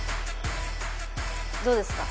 どうですか？